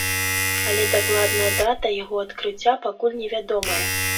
Але дакладная дата яго адкрыцця пакуль невядомая.